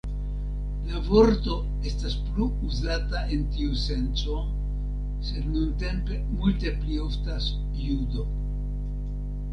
La vorto estas plu uzata en tiu senco, sed nuntempe multe pli oftas "judo".